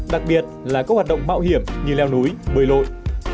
đặc biệt là các hoạt động mạo hiểm như leo núi bơi lội